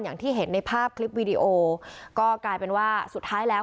อย่างที่เห็นในภาพคลิปวีดีโอก็กลายเป็นว่าสุดท้ายแล้ว